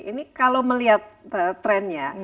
ini kalau melihat trennya